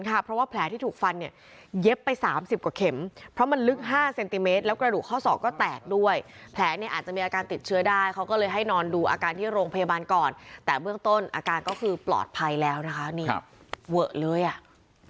เพราะว่าแผลที่ถูกฟันเนี่ยเย็บไป๓๐กว่าเข็มเพราะมันลึก๕เซนติเมตรแล้วกระดูกข้อศอกก็แตกด้วยแผลเนี่ยอาจจะมีอาการติดเชื้อได้เขาก็เลยให้นอนดูอาการที่โรงพยาบาลก่อนแต่เบื้องต้นอาการก็คือปลอดภัยแล้วนะคะนี่เวอะเลยอ่ะ